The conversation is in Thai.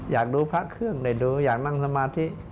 อยากดูพระเครื่องได้ดูอยากนั่งสมาธิ